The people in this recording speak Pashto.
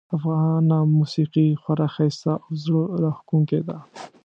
افغانه موسیقي خورا ښایسته او زړه راښکونکې ده